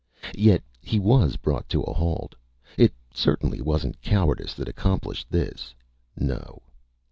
Yet he was brought to a halt. It certainly wasn't cowardice that accomplished this. No.